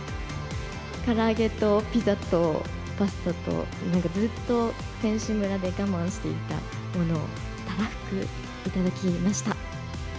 から揚げとピザとパスタと、ずっと選手村で我慢していたものを、たらふく頂きました。